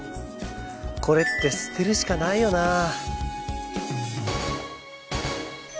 これって捨てるしかないよなあ